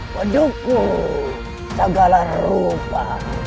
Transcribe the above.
waduh gue segala rupa